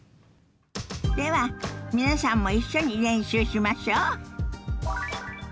では皆さんも一緒に練習しましょ。